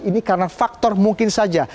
ini karena faktor mungkin saja